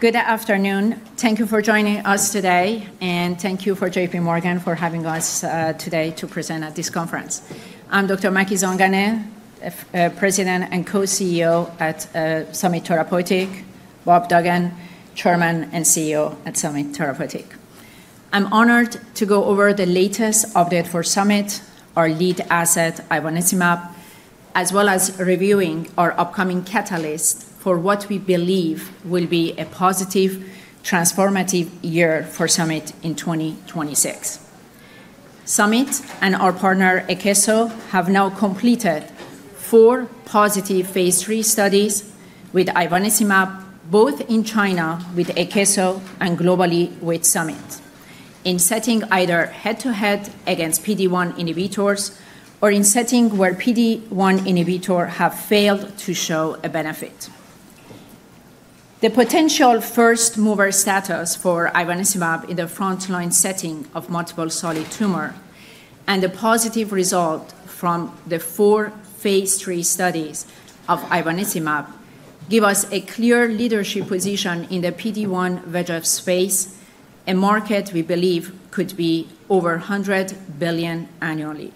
Good afternoon. Thank you for joining us today, and thank you to J.P. Morgan for having us today to present at this conference. I'm Dr. Maky Zanganeh, President and Co-CEO at Summit Therapeutics. Bob Duggan, Chairman and Co-CEO at Summit Therapeutics. I'm honored to go over the latest update for Summit, our lead asset, ivonescimab, as well as reviewing our upcoming catalysts for what we believe will be a positive, transformative year for Summit in 2026. Summit and our partner, Akeso, have now completed four positive phase III studies with ivonescimab, both in China with Akeso and globally with Summit, in settings either head-to-head against PD-1 inhibitors or in settings where PD-1 inhibitors have failed to show a benefit. The potential first-mover status for ivonescimab in the frontline setting of multiple solid tumors and the positive result from the four phase III studies of ivonescimab give us a clear leadership position in the PD-1/VEGF space, a market we believe could be over $100 billion annually.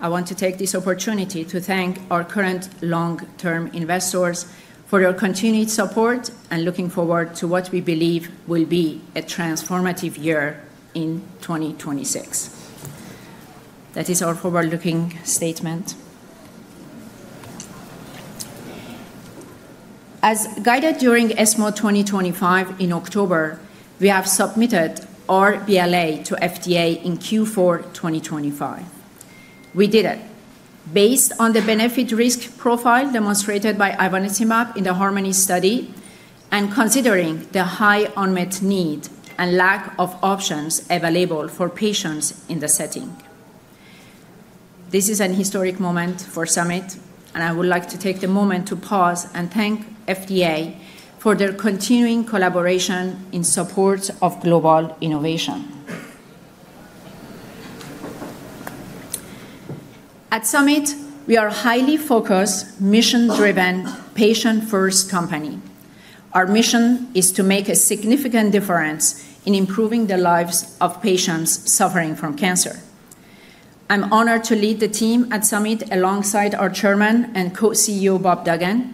I want to take this opportunity to thank our current long-term investors for their continued support and looking forward to what we believe will be a transformative year in 2026. That is our forward-looking statement. As guided during ESMO 2025 in October, we have submitted our BLA to FDA in Q4 2025. We did it based on the benefit-risk profile demonstrated by ivonescimab in the HARMONi study and considering the high unmet need and lack of options available for patients in the setting. This is a historic moment for Summit, and I would like to take the moment to pause and thank FDA for their continuing collaboration in support of global innovation. At Summit, we are a highly focused, mission-driven, patient-first company. Our mission is to make a significant difference in improving the lives of patients suffering from cancer. I'm honored to lead the team at Summit alongside our Chairman and Co-CEO, Bob Duggan.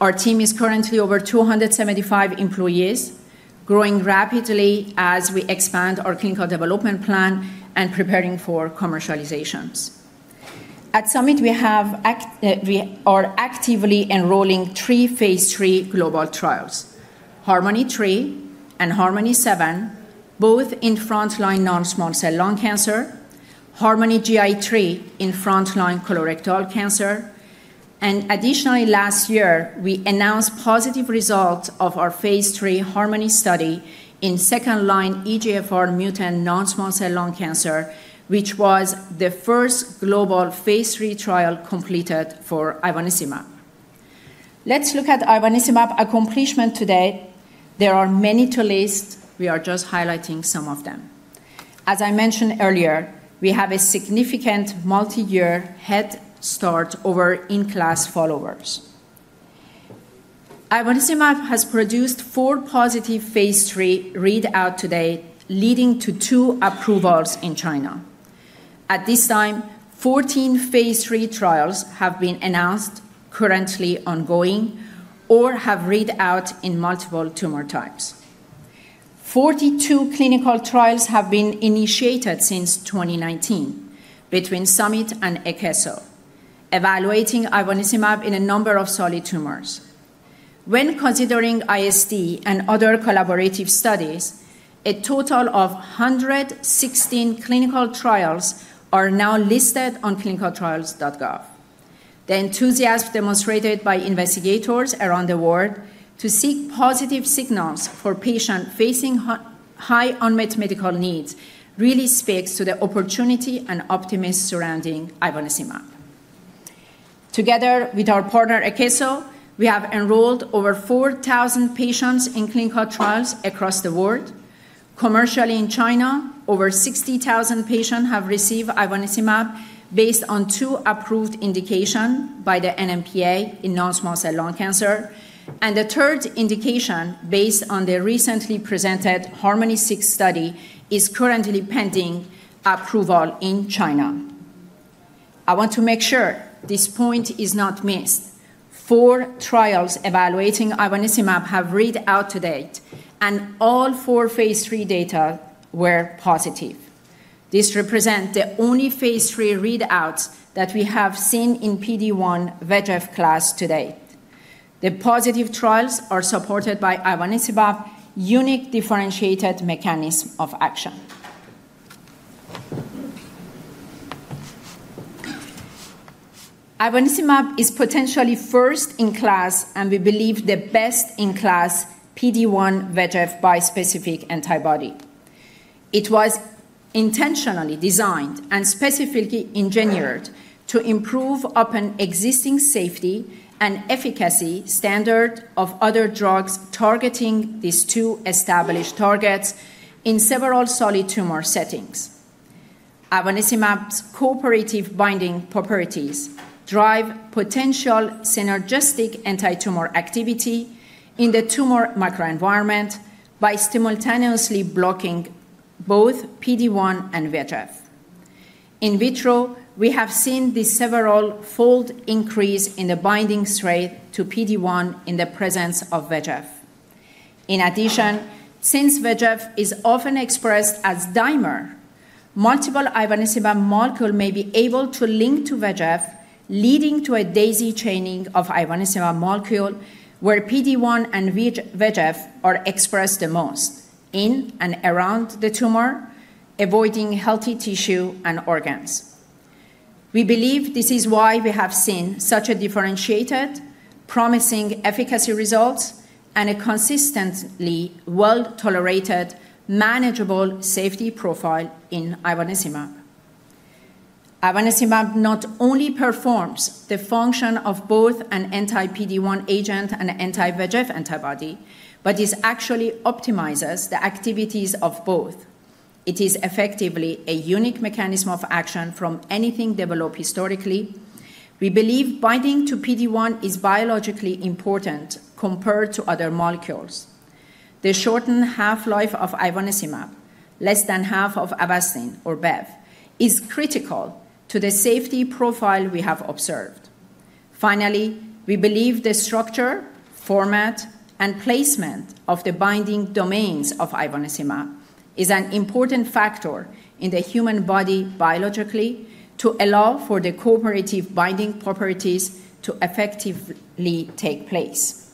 Our team is currently over 275 employees, growing rapidly as we expand our clinical development plan and preparing for commercializations. At Summit, we are actively enrolling three phase III global trials: HARMONi-3 and HARMONi-7, both in frontline non-small cell lung cancer. HARMONi-GI in frontline colorectal cancer. Additionally, last year, we announced positive results of our phase III Harmony study in second-line EGFR mutant non-small cell lung cancer, which was the first global phase III trial completed for ivonescimab. Let's look at ivonescimab accomplishments today. There are many to list. We are just highlighting some of them. As I mentioned earlier, we have a significant multi-year head start over in-class followers. Ivonescimab has produced four positive phase III readouts today, leading to two approvals in China. At this time, 14 phase III trials have been announced, currently ongoing, or have readouts in multiple tumor types. 42 clinical trials have been initiated since 2019 between Summit and Akeso, evaluating ivonescimab in a number of solid tumors. When considering IST and other collaborative studies, a total of 116 clinical trials are now listed on ClinicalTrials.gov. The enthusiasm demonstrated by investigators around the world to seek positive signals for patients facing high unmet medical needs really speaks to the opportunity and optimism surrounding ivonescimab. Together with our partner, Akeso, we have enrolled over 4,000 patients in clinical trials across the world. Commercially in China, over 60,000 patients have received ivonescimab based on two approved indications by the NMPA in non-small cell lung cancer, and the third indication based on the recently presented HARMONi-6 study is currently pending approval in China. I want to make sure this point is not missed. Four trials evaluating ivonescimab have readouts to date, and all four phase III data were positive. This represents the only phase III readouts that we have seen in PD-1/VEGF class to date. The positive trials are supported by ivonescimab's unique differentiated mechanism of action. Ivonescimab is potentially first-in-class, and we believe the best-in-class PD-1/VEGF bispecific antibody. It was intentionally designed and specifically engineered to improve upon existing safety and efficacy standards of other drugs targeting these two established targets in several solid tumor settings. Ivonescimab's cooperative binding properties drive potential synergistic anti-tumor activity in the tumor microenvironment by simultaneously blocking both PD-1 and VEGF. In vitro, we have seen the several-fold increase in the binding strength to PD-1 in the presence of VEGF. In addition, since VEGF is often expressed as dimer, multiple Ivonescimab molecules may be able to link to VEGF, leading to a daisy-chaining of Ivonescimab molecules where PD-1 and VEGF are expressed the most in and around the tumor, avoiding healthy tissue and organs. We believe this is why we have seen such a differentiated, promising efficacy result and a consistently well-tolerated, manageable safety profile in ivonescimab. Ivonescimab not only performs the function of both an anti-PD-1 agent and anti-VEGF antibody, but this actually optimizes the activities of both. It is effectively a unique mechanism of action from anything developed historically. We believe binding to PD-1 is biologically important compared to other molecules. The shortened half-life of ivonescimab, less than half of Avastin or Bev, is critical to the safety profile we have observed. Finally, we believe the structure, format, and placement of the binding domains of ivonescimab is an important factor in the human body biologically to allow for the cooperative binding properties to effectively take place.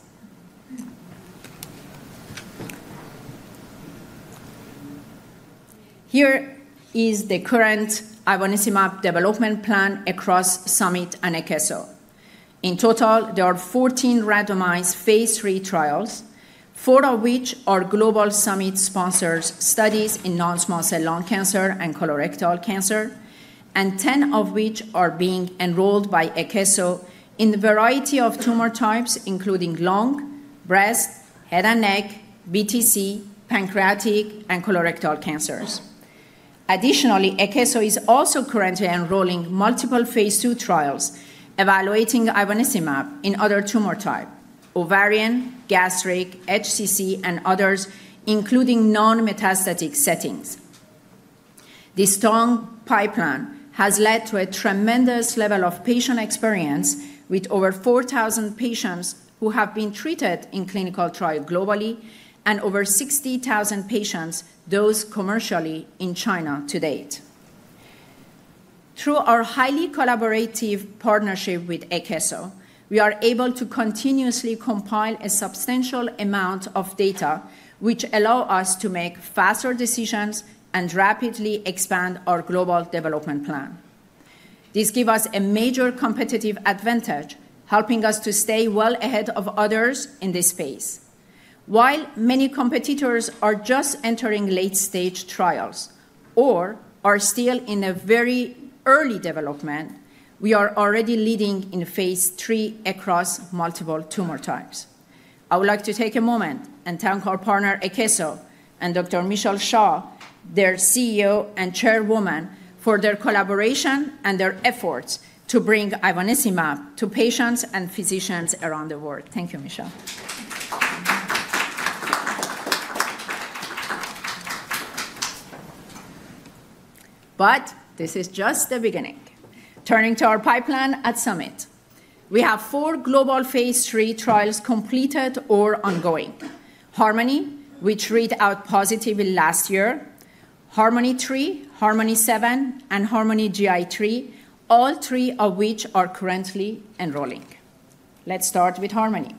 Here is the current ivonescimab development plan across Summit and Akeso. In total, there are 14 randomized phase III trials, four of which are global Summit-sponsored studies in non-small cell lung cancer and colorectal cancer, and 10 of which are being enrolled by Akeso in a variety of tumor types, including lung, breast, head and neck, BTC, pancreatic, and colorectal cancers. Additionally, Akeso is also currently enrolling multiple phase II trials evaluating ivonescimab in other tumor types: ovarian, gastric, HCC, and others, including non-metastatic settings. This strong pipeline has led to a tremendous level of patient experience with over 4,000 patients who have been treated in clinical trial globally and over 60,000 patients dosed commercially in China to date. Through our highly collaborative partnership with Akeso, we are able to continuously compile a substantial amount of data, which allows us to make faster decisions and rapidly expand our global development plan. This gives us a major competitive advantage, helping us to stay well ahead of others in this space. While many competitors are just entering late-stage trials or are still in a very early development, we are already leading in phase III across multiple tumor types. I would like to take a moment and thank our partner, Akeso, and Dr. Michelle Xia, their CEO and Chairwoman, for their collaboration and their efforts to bring ivonescimab to patients and physicians around the world. Thank you, Michelle. But this is just the beginning. Turning to our pipeline at Summit, we have four global phase III trials completed or ongoing: Harmony, which readout positively last year, Harmony III, Harmony VII, and Harmony GI III, all three of which are currently enrolling. Let's start with Harmony.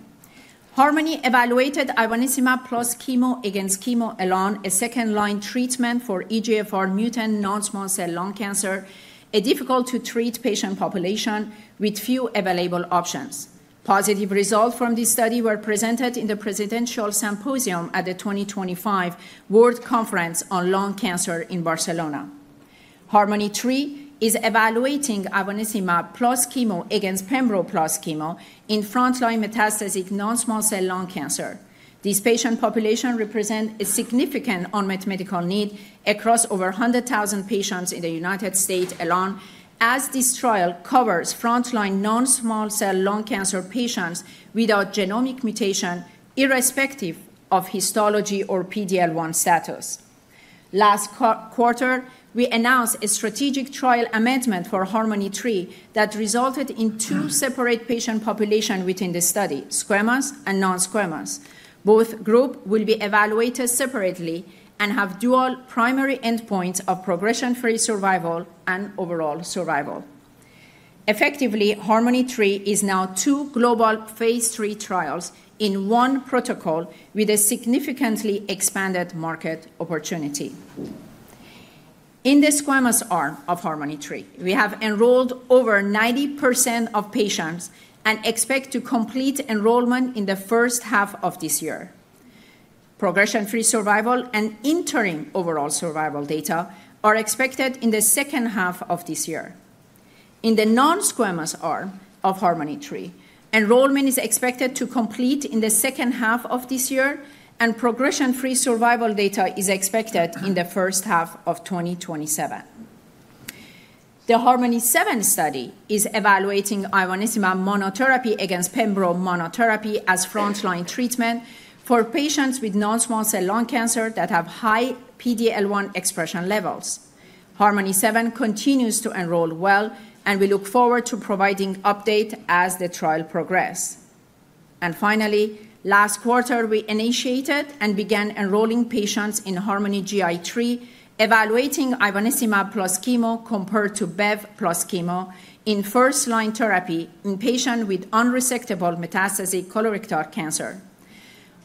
HARMONi evaluated ivonescimab plus chemo against chemo alone, a second-line treatment for EGFR mutant non-small cell lung cancer, a difficult-to-treat patient population with few available options. Positive results from this study were presented in the Presidential Symposium at the 2025 World Conference on Lung Cancer in Barcelona. HARMONi III is evaluating ivonescimab plus chemo against pembrolizumab plus chemo in frontline metastatic non-small cell lung cancer. This patient population represents a significant unmet medical need across over 100,000 patients in the United States alone, as this trial covers frontline non-small cell lung cancer patients without genomic mutation, irrespective of histology or PD-L1 status. Last quarter, we announced a strategic trial amendment for HARMONi III that resulted in two separate patient populations within the study, squamous and non-squamous. Both groups will be evaluated separately and have dual primary endpoints of progression-free survival and overall survival. Effectively, Harmony III is now two global phase III trials in one protocol with a significantly expanded market opportunity. In the squamous arm of Harmony III, we have enrolled over 90% of patients and expect to complete enrollment in the first half of this year. Progression-free survival and interim overall survival data are expected in the second half of this year. In the non-squamous arm of Harmony III, enrollment is expected to complete in the second half of this year, and progression-free survival data is expected in the first half of 2027. The Harmony VII study is evaluating ivonescimab monotherapy against pembrolizumab monotherapy as frontline treatment for patients with non-small cell lung cancer that have high PD-L1 expression levels. Harmony VII continues to enroll well, and we look forward to providing updates as the trial progresses. Finally, last quarter, we initiated and began enrolling patients in Harmony GI III, evaluating ivonescimab plus chemo compared to BEV plus chemo in first-line therapy in patients with unresectable metastatic colorectal cancer.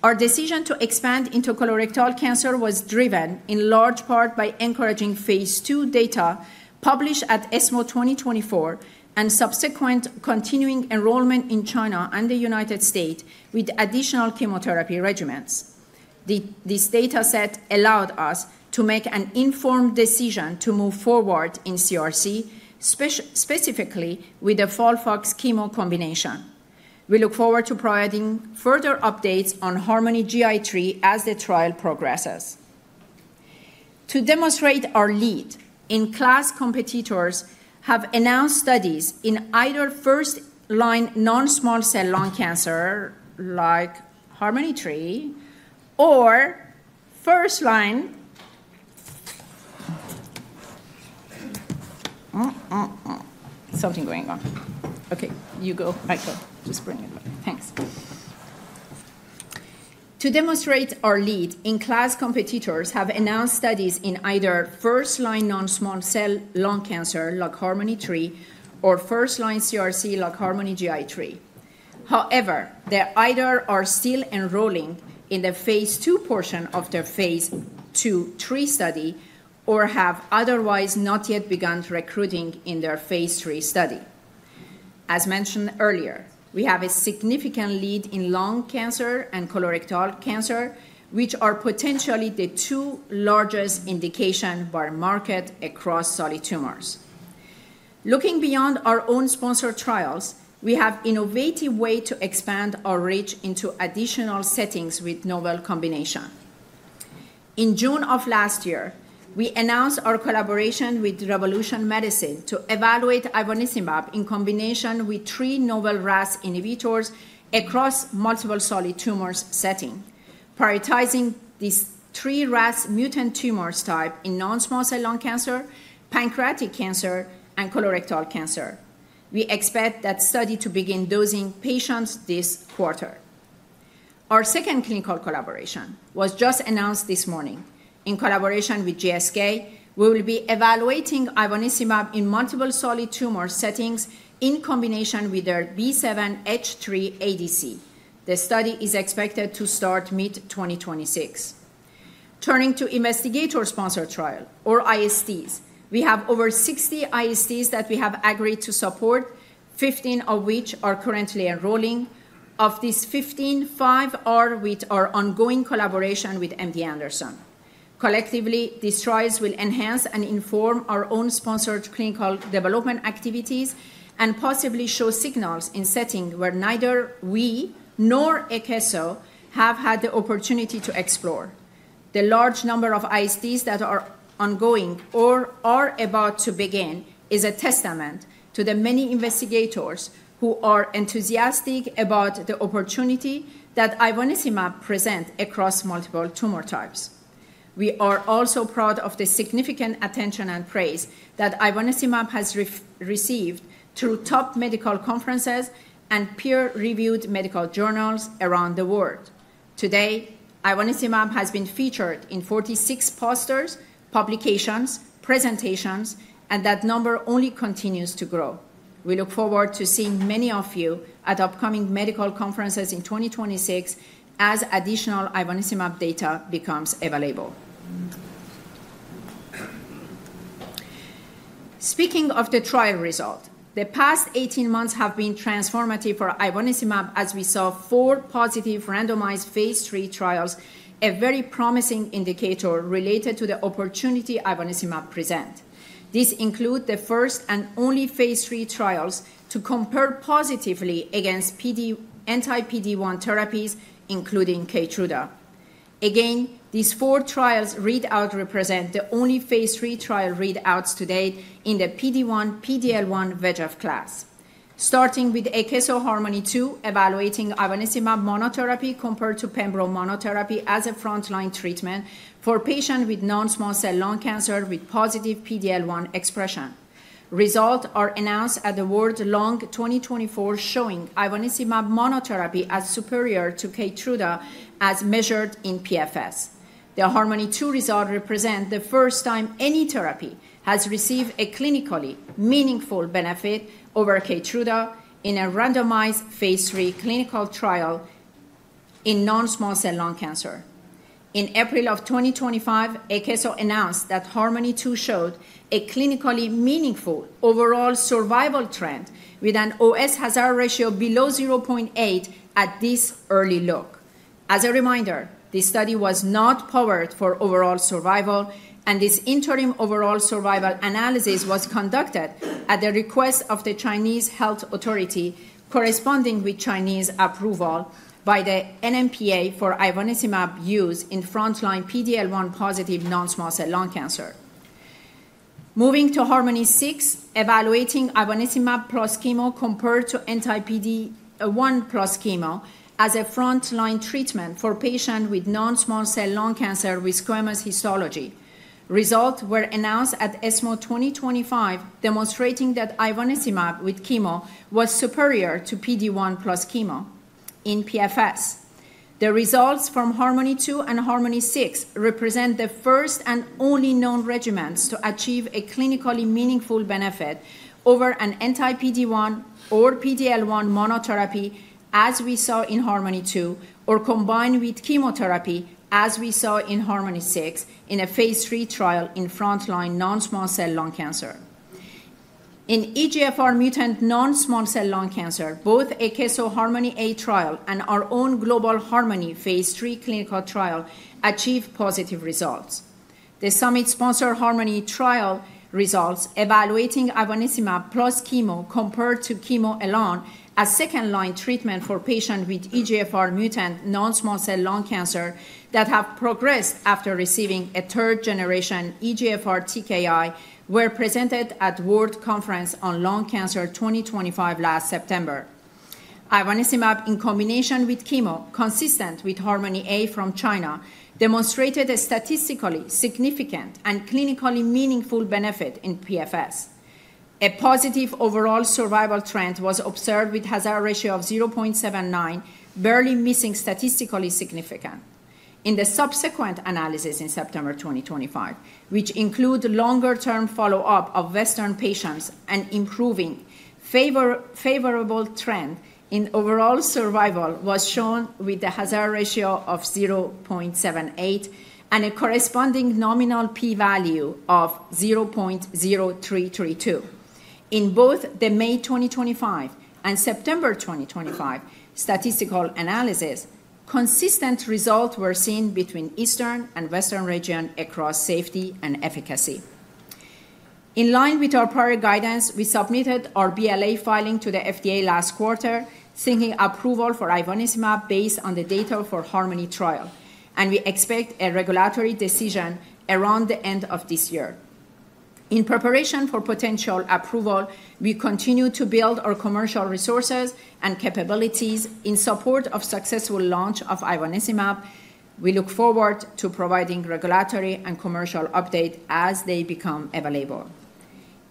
Our decision to expand into colorectal cancer was driven in large part by encouraging phase II data published at ESMO 2024 and subsequent continuing enrollment in China and the United States with additional chemotherapy regimens. This data set allowed us to make an informed decision to move forward in CRC, specifically with the FOLFOX chemo combination. We look forward to providing further updates on Harmony GI III as the trial progresses. To demonstrate our lead, in-class competitors have announced studies in either first-line non-small cell lung cancer like Harmony III or first-line. Something going on. Okay, you go. Just bring it back. Thanks. To demonstrate our lead, in-class competitors have announced studies in either first-line non-small cell lung cancer like Harmony III or first-line CRC like Harmony GI III. However, they either are still enrolling in the phase II portion of their phase II/III study or have otherwise not yet begun recruiting in their phase III study. As mentioned earlier, we have a significant lead in lung cancer and colorectal cancer, which are potentially the two largest indications by market across solid tumors. Looking beyond our own sponsored trials, we have an innovative way to expand our reach into additional settings with novel combinations. In June of last year, we announced our collaboration with Revolution Medicines to evaluate ivonescimab in combination with three novel RAS inhibitors across multiple solid tumors setting, prioritizing these three RAS mutant tumor types in non-small cell lung cancer, pancreatic cancer, and colorectal cancer. We expect that study to begin dosing patients this quarter. Our second clinical collaboration was just announced this morning. In collaboration with GSK, we will be evaluating ivonescimab in multiple solid tumor settings in combination with their B7-H3 ADC. The study is expected to start mid-2026. Turning to investigator-sponsored trials, or ISTs, we have over 60 ISTs that we have agreed to support, 15 of which are currently enrolling. Of these 15, five are with our ongoing collaboration with MD Anderson. Collectively, these trials will enhance and inform our own sponsored clinical development activities and possibly show signals in settings where neither we nor Akeso have had the opportunity to explore. The large number of ISTs that are ongoing or are about to begin is a testament to the many investigators who are enthusiastic about the opportunity that ivonescimab presents across multiple tumor types. We are also proud of the significant attention and praise that ivonescimab has received through top medical conferences and peer-reviewed medical journals around the world. Today, ivonescimab has been featured in 46 posters, publications, presentations, and that number only continues to grow. We look forward to seeing many of you at upcoming medical conferences in 2026 as additional ivonescimab data becomes available. Speaking of the trial result, the past 18 months have been transformative for ivonescimab as we saw four positive randomized phase III trials, a very promising indicator related to the opportunity ivonescimab presents. These include the first and only phase III trials to compare positively against anti-PD-1 therapies, including Keytruda. Again, these four trials readouts represent the only phase III trial readouts to date in the PD-1, PD-L1 VEGF class. Starting with Akeso HARMONi-2 evaluating ivonescimab monotherapy compared to pembrolizumab monotherapy as a frontline treatment for patients with non-small cell lung cancer with positive PD-L1 expression. Results are announced at the WCLC 2024, showing ivonescimab monotherapy as superior to Keytruda as measured in PFS. The HARMONi-2 result represents the first time any therapy has received a clinically meaningful benefit over Keytruda in a randomized phase III clinical trial in non-small cell lung cancer. In April of 2025, Akeso announced that HARMONi-2 showed a clinically meaningful overall survival trend with an OS hazard ratio below 0.8 at this early look. As a reminder, this study was not powered for overall survival, and this interim overall survival analysis was conducted at the request of the Chinese Health Authority, corresponding with Chinese approval by the NMPA for Ivonescimab use in frontline PD-L1 positive non-small cell lung cancer. Moving to Harmony VI, evaluating Ivonescimab plus chemo compared to anti-PD-1 plus chemo as a frontline treatment for patients with non-small cell lung cancer with squamous histology. Results were announced at ESMO 2025, demonstrating that Ivonescimab with chemo was superior to PD-1 plus chemo in PFS. The results from Harmony II and Harmony VI represent the first and only known regimens to achieve a clinically meaningful benefit over an anti-PD-1 or PD-L1 monotherapy, as we saw in Harmony II, or combined with chemotherapy, as we saw in Harmony VI in a phase III trial in frontline non-small cell lung cancer. In EGFR mutant non-small cell lung cancer, both Akeso HARMONi-A trial and our own Global Harmony Phase III clinical trial achieved positive results. The Summit Sponsored Harmony trial results evaluating ivonescimab plus chemo compared to chemo alone as second-line treatment for patients with EGFR mutant non-small cell lung cancer that have progressed after receiving a third-generation EGFR TKI were presented at World Conference on Lung Cancer 2024 last September. Ivonescimab in combination with chemo, consistent with HARMONi-A from China, demonstrated a statistically significant and clinically meaningful benefit in PFS. A positive overall survival trend was observed with a hazard ratio of 0.79, barely missing statistically significant. In the subsequent analysis in September 2024, which included longer-term follow-up of Western patients and improving favorable trend in overall survival, was shown with a hazard ratio of 0.78 and a corresponding nominal p-value of 0.0332. In both the May 2025 and September 2025 statistical analysis, consistent results were seen between Eastern and Western regions across safety and efficacy. In line with our prior guidance, we submitted our BLA filing to the FDA last quarter, seeking approval for ivonescimab based on the data for Harmony trial, and we expect a regulatory decision around the end of this year. In preparation for potential approval, we continue to build our commercial resources and capabilities in support of the successful launch of ivonescimab. We look forward to providing regulatory and commercial updates as they become available.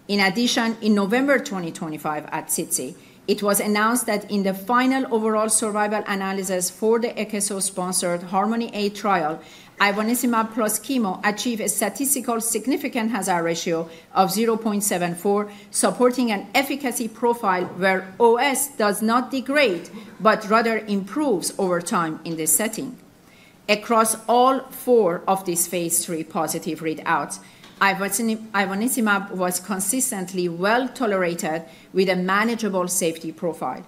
In addition, in November 2025 at SITC, it was announced that in the final overall survival analysis for the Akeso-sponsored Harmony A trial, ivonescimab plus chemo achieved a statistically significant hazard ratio of 0.74, supporting an efficacy profile where OS does not degrade, but rather improves over time in this setting. Across all four of these phase III positive readouts, ivonescimab was consistently well tolerated with a manageable safety profile.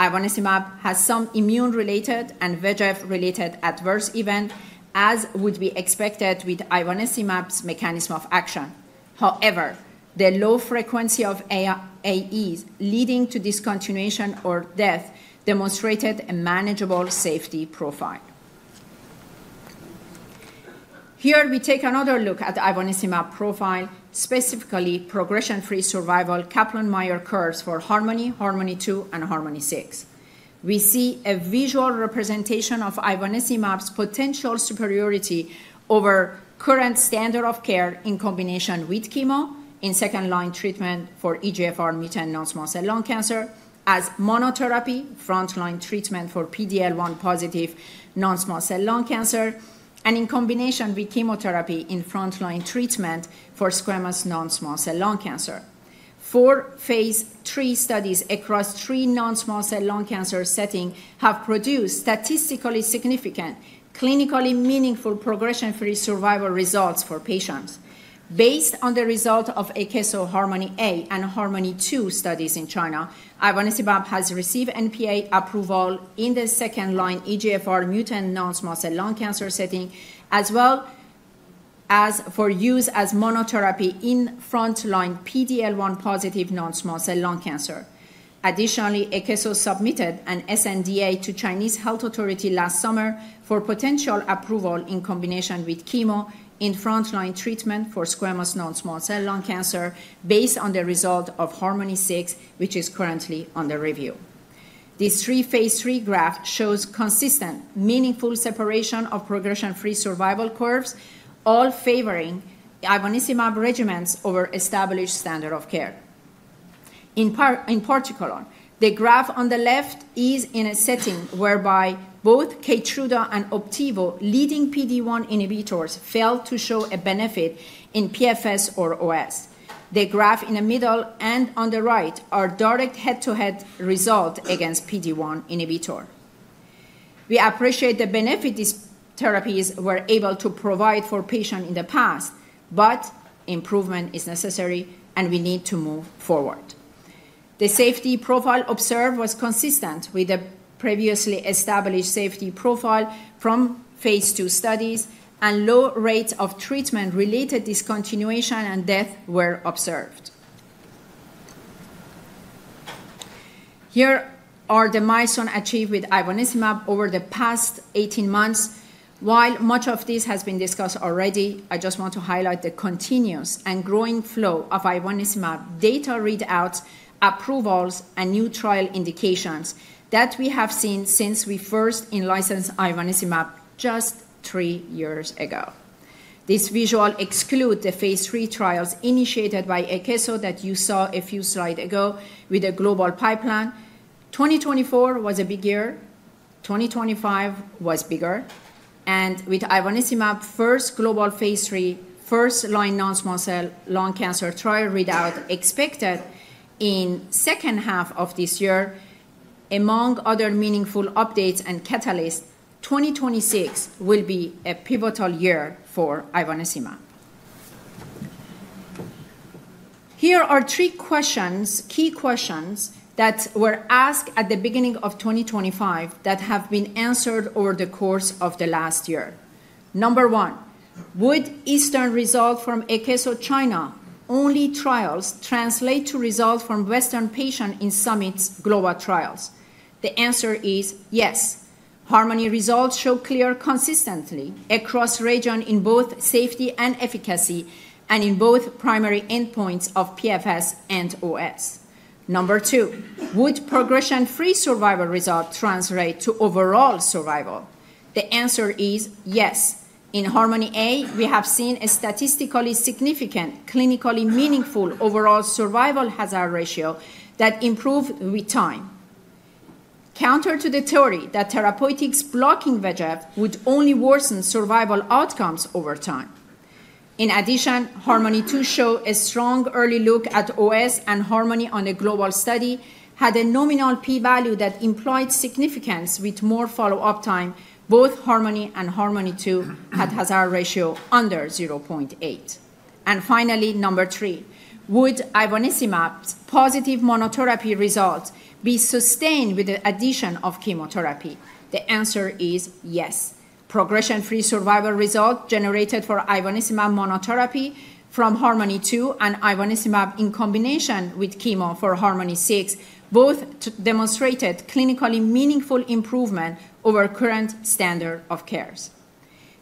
Ivonescimab has some immune-related and VEGF-related adverse events, as would be expected with ivonescimab's mechanism of action. However, the low frequency of AEs leading to discontinuation or death demonstrated a manageable safety profile. Here, we take another look at ivonescimab profile, specifically progression-free survival Kaplan-Meier curves for Harmony, Harmony II, and Harmony VI. We see a visual representation of ivonescimab's potential superiority over the current standard of care in combination with chemo in second-line treatment for EGFR mutant non-small cell lung cancer, as monotherapy frontline treatment for PD-L1 positive non-small cell lung cancer, and in combination with chemotherapy in frontline treatment for squamous non-small cell lung cancer. Four phase III studies across three non-small cell lung cancer settings have produced statistically significant, clinically meaningful progression-free survival results for patients. Based on the results of Akeso Harmony A and Harmony II studies in China, ivonescimab has received NMPA approval in the second-line EGFR mutant non-small cell lung cancer setting, as well as for use as monotherapy in frontline PD-L1 positive non-small cell lung cancer. Additionally, Akeso submitted an sNDA to the Chinese Health Authority last summer for potential approval in combination with chemo in frontline treatment for squamous non-small cell lung cancer, based on the result of Harmony VI, which is currently under review. This three phase III graph shows consistent, meaningful separation of progression-free survival curves, all favoring ivonescimab regimens over established standard of care. In particular, the graph on the left is in a setting whereby both Keytruda and Opdivo leading PD-1 inhibitors failed to show a benefit in PFS or OS. The graph in the middle and on the right are direct head-to-head results against PD-1 inhibitors. We appreciate the benefit these therapies were able to provide for patients in the past, but improvement is necessary, and we need to move forward. The safety profile observed was consistent with the previously established safety profile from phase II studies, and low rates of treatment-related discontinuation and death were observed. Here are the milestones achieved with ivonescimab over the past 18 months. While much of this has been discussed already, I just want to highlight the continuous and growing flow of ivonescimab data readouts, approvals, and new trial indications that we have seen since we first enlicensed ivonescimab just three years ago. This visual excludes the phase III trials initiated by Akeso that you saw a few slides ago with the global pipeline. 2024 was a big year. 2025 was bigger. And with ivonescimab's first global phase III first-line non-small cell lung cancer trial readout expected in the second half of this year, among other meaningful updates and catalysts, 2026 will be a pivotal year for ivonescimab. Here are three key questions that were asked at the beginning of 2025 that have been answered over the course of the last year. Number one, would Asian results from Akeso China only trials translate to results from Western patients in Summit's global trials? The answer is yes. Harmony results show clear consistency across regions in both safety and efficacy, and in both primary endpoints of PFS and OS. Number two, would progression-free survival result translate to overall survival? The answer is yes. In Harmony A, we have seen a statistically significant, clinically meaningful overall survival hazard ratio that improves with time, counter to the theory that therapeutics blocking VEGF would only worsen survival outcomes over time. In addition, Harmony II showed a strong early look at OS and Harmony, on a global study, had a nominal p-value that implied significance with more follow-up time. Both Harmony and Harmony II had a hazard ratio under 0.8, and finally, number three, would ivonescimab's positive monotherapy result be sustained with the addition of chemotherapy? The answer is yes. Progression-free survival result generated for ivonescimab monotherapy from Harmony II and ivonescimab in combination with chemo for Harmony VI both demonstrated clinically meaningful improvement over current standard of care.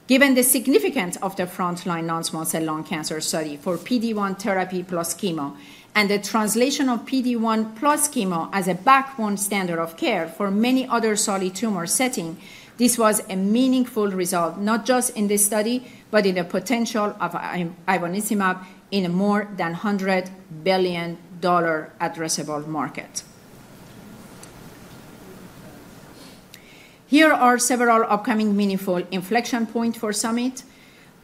Given the significance of the frontline non-small cell lung cancer study for PD-1 therapy plus chemo and the translation of PD-1 plus chemo as a backbone standard of care for many other solid tumor settings, this was a meaningful result not just in this study, but in the potential of ivonescimab in a more than $100 billion addressable market. Here are several upcoming meaningful inflection points for Summit.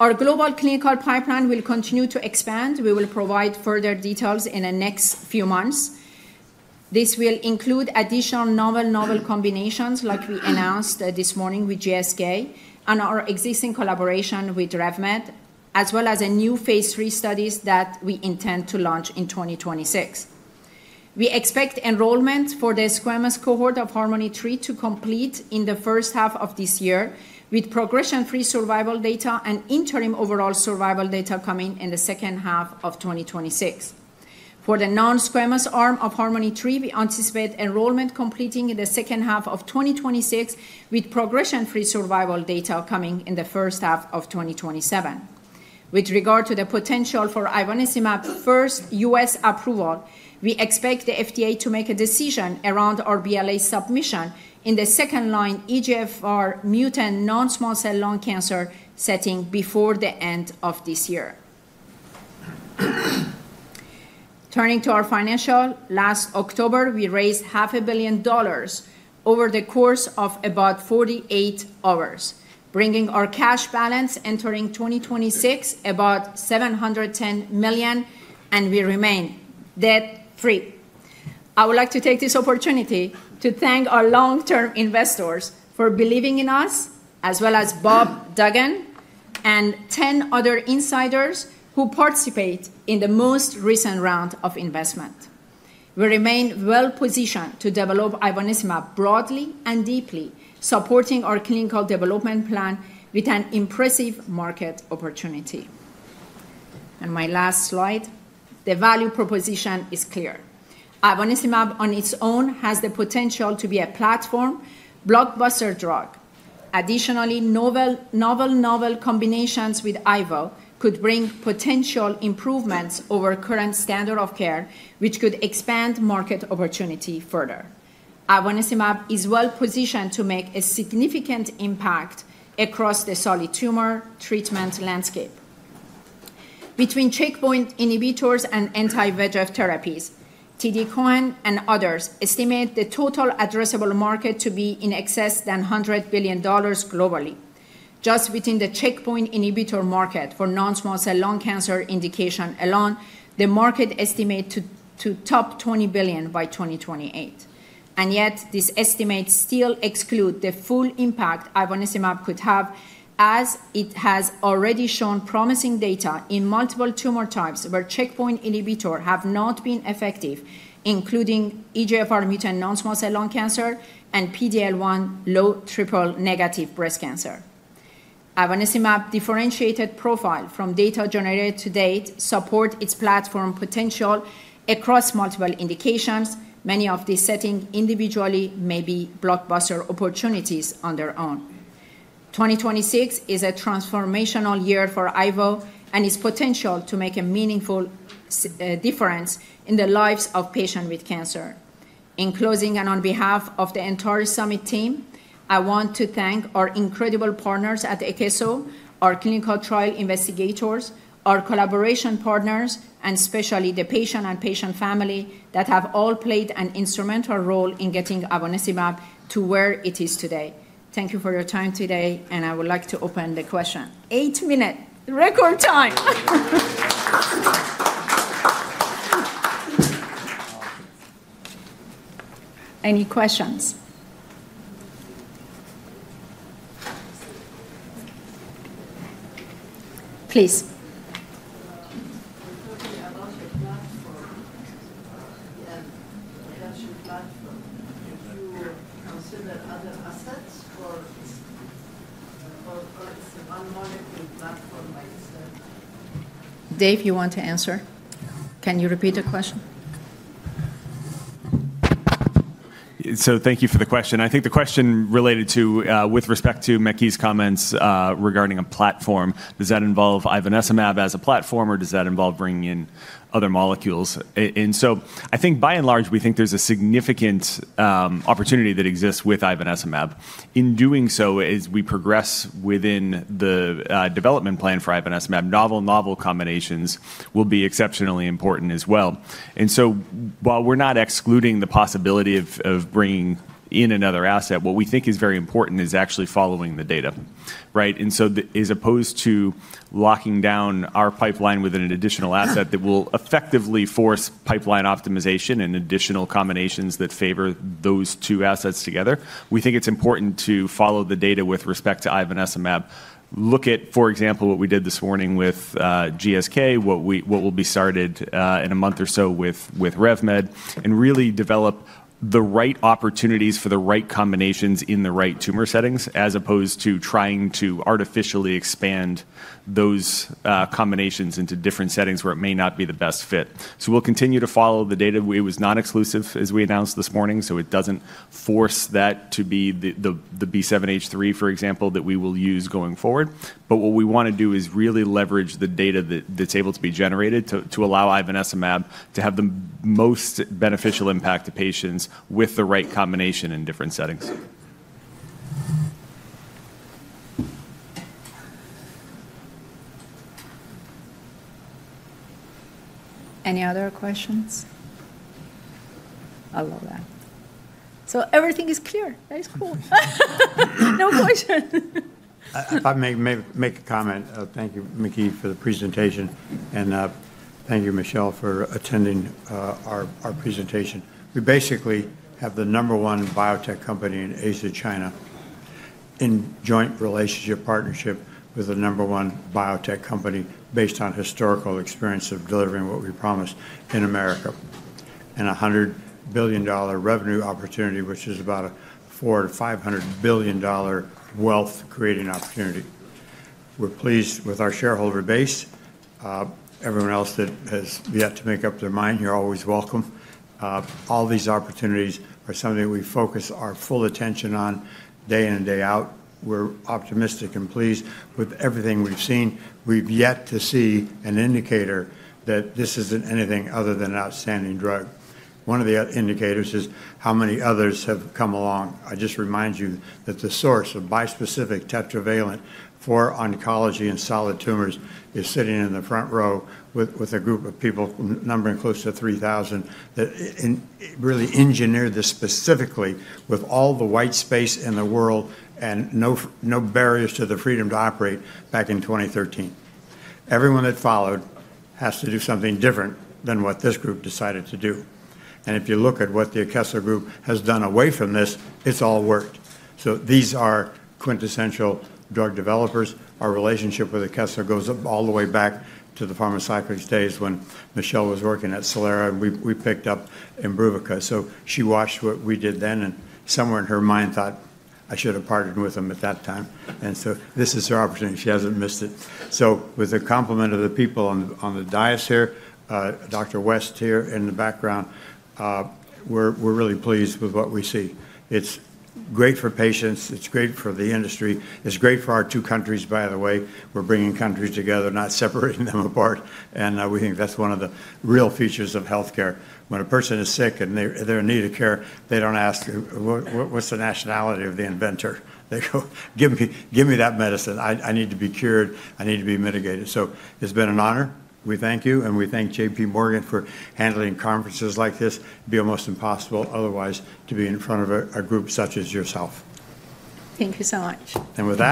Our global clinical pipeline will continue to expand. We will provide further details in the next few months. This will include additional novel combinations, like we announced this morning with GSK and our existing collaboration with RevMed, as well as new phase III studies that we intend to launch in 2026. We expect enrollment for the squamous cohort of Harmony III to complete in the first half of this year, with progression-free survival data and interim overall survival data coming in the second half of 2026. For the non-squamous arm of Harmony III, we anticipate enrollment completing in the second half of 2026, with progression-free survival data coming in the first half of 2027. With regard to the potential for ivonescimab's first U.S. approval, we expect the FDA to make a decision around our BLA submission in the second-line EGFR mutant non-small cell lung cancer setting before the end of this year. Turning to our financials, last October, we raised $500 million over the course of about 48 hours, bringing our cash balance entering 2026 to about $710 million, and we remain debt-free. I would like to take this opportunity to thank our long-term investors for believing in us, as well as Bob Duggan and 10 other insiders who participated in the most recent round of investment. We remain well-positioned to develop ivonescimab broadly and deeply, supporting our clinical development plan with an impressive market opportunity. My last slide, the value proposition is clear. Ivonescimab on its own has the potential to be a platform blockbuster drug. Additionally, novel combinations with Ivo could bring potential improvements over current standard of care, which could expand market opportunity further. Ivonescimab is well-positioned to make a significant impact across the solid tumor treatment landscape. Between checkpoint inhibitors and anti-VEGF therapies, TD Cowen and others estimate the total addressable market to be in excess than $100 billion globally. Just within the checkpoint inhibitor market for non-small cell lung cancer indication alone, the market estimate to top $20 billion by 2028. And yet, these estimates still exclude the full impact ivonescimab could have, as it has already shown promising data in multiple tumor types where checkpoint inhibitors have not been effective, including EGFR mutant non-small cell lung cancer and PD-L1 low triple-negative breast cancer. Ivonescimab differentiated profile from data generated to date supports its platform potential across multiple indications. Many of these settings individually may be blockbuster opportunities on their own. 2026 is a transformational year for ivonescimab and its potential to make a meaningful difference in the lives of patients with cancer. In closing, and on behalf of the entire Summit team, I want to thank our incredible partners at Akeso, our clinical trial investigators, our collaboration partners, and especially the patients and patient families that have all played an instrumental role in getting ivonescimab to where it is today. Thank you for your time today, and I would like to open the question. Eight-minute record time. Any questions? Please. Dave, you want to answer? Can you repeat the question? So thank you for the question. I think the question related to, with respect to Maky's comments regarding a platform, does that involve ivonescimab as a platform, or does that involve bringing in other molecules? And so I think, by and large, we think there's a significant opportunity that exists with ivonescimab. In doing so, as we progress within the development plan for ivonescimab, novel combinations will be exceptionally important as well. And so while we're not excluding the possibility of bringing in another asset, what we think is very important is actually following the data, right? And so as opposed to locking down our pipeline with an additional asset that will effectively force pipeline optimization and additional combinations that favor those two assets together, we think it's important to follow the data with respect to ivonescimab. Look at, for example, what we did this morning with GSK, what will be started in a month or so with RevMed, and really develop the right opportunities for the right combinations in the right tumor settings, as opposed to trying to artificially expand those combinations into different settings where it may not be the best fit. So we'll continue to follow the data. It was non-exclusive, as we announced this morning, so it doesn't force that to be the B7-H3, for example, that we will use going forward. But what we want to do is really leverage the data that's able to be generated to allow ivonescimab to have the most beneficial impact to patients with the right combination in different settings. Any other questions? I love that. So everything is clear. That is cool. No questions. If I may make a comment, thank you, Maky, for the presentation, and thank you, Michelle, for attending our presentation. We basically have the number one biotech company in Asia-China in joint relationship partnership with the number one biotech company based on historical experience of delivering what we promised in America and a $100 billion revenue opportunity, which is about a $400-$500 billion wealth-creating opportunity. We're pleased with our shareholder base. Everyone else that has yet to make up their mind, you're always welcome. All these opportunities are something we focus our full attention on day in and day out. We're optimistic and pleased with everything we've seen. We've yet to see an indicator that this isn't anything other than an outstanding drug. One of the indicators is how many others have come along. I just remind you that the source of bispecific tetravalent for oncology and solid tumors is sitting in the front row with a group of people, numbering close to 3,000, that really engineered this specifically with all the white space in the world and no barriers to the freedom to operate back in 2013. Everyone that followed has to do something different than what this group decided to do. And if you look at what the Akeso group has done away from this, it's all worked. So these are quintessential drug developers. Our relationship with Akeso goes all the way back to the Pharmacyclics days when Michelle was working at Celera, and we picked up Imbruvica. So she watched what we did then and somewhere in her mind thought, "I should have partnered with them at that time." And so this is her opportunity. She hasn't missed it. So with the complement of the people on the dais here, Dr. West here in the background, we're really pleased with what we see. It's great for patients. It's great for the industry. It's great for our two countries, by the way. We're bringing countries together, not separating them apart. And we think that's one of the real features of healthcare. When a person is sick and they're in need of care, they don't ask, "What's the nationality of the inventor?" They go, "Give me that medicine. I need to be cured. I need to be mitigated." So it's been an honor. We thank you, and we thank J.P. Morgan for handling conferences like this. It'd be almost impossible otherwise to be in front of a group such as yourself. Thank you so much. And with that.